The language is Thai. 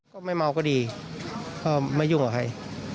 ก็ไม่เมาก็ดีก็ไม่ยุ่งกับใคร